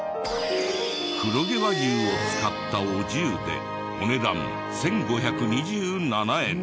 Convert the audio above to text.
黒毛和牛を使ったお重でお値段１５２７円。